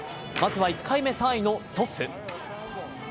まずは１回目３位のストッフ。